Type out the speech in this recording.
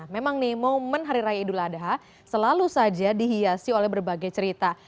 memang nih momen hari raya idul adha selalu saja dihiasi oleh berbagai cerita